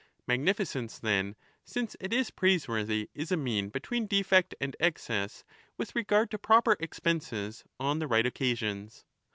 Magnificence, then, since it is praiseworthy, is a mean between defect and excess with regard to proper expenses on the right occasions.